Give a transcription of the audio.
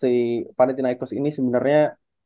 melihat si panathinaikos ini sebenarnya